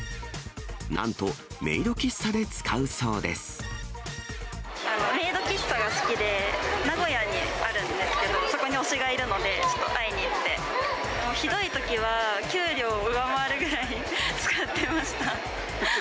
なんと、メイド喫茶が好きで、名古屋にあるんですけど、そこに推しがいるので、ちょっと会いに行って、ひどいときは、給料上回るぐらい使ってました。